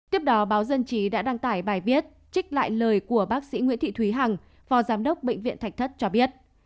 tiếp đó báo dân trí đã đăng tải bài viết trích lại lời của bác sĩ nguyễn thị thúy hằng phó giám đốc bệnh viện thạch thất cho biết